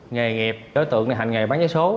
nghề nghiệp đối tượng này hành nghề bán giấy số